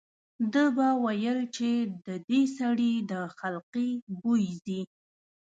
ده به ویل چې د دې سړي د خلقي بوی ځي.